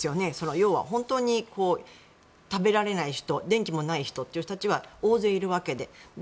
要は本当に食べられない人電気もない人という人たちは大勢いるわけで。